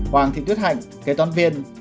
hoàng thị tuyết hạnh kế toán viên